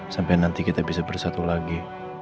sampai nanti kita bisa bersatu lagi